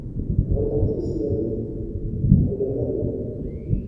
Retentit sous la voûte… -On regarda le comte ;